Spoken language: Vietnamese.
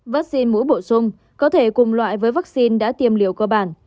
vắc xin mũi bổ sung có thể cùng loại với vắc xin đã tiêm liều cơ bản